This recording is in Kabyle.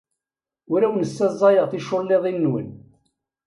Ur awen-ssaẓayeɣ ticulliḍin-nwen.